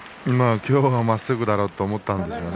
今日はまっすぐくるだろうと思ったんでしょうね。